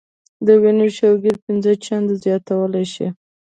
د وينې شوګر پنځه چنده زياتولے شي -